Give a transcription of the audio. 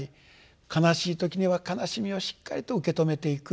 悲しい時には悲しみをしっかりと受け止めていく。